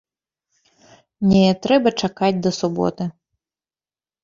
Не трэба чакаць да суботы.